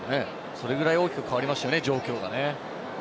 それくらい大きく変わりましたよね、状況が。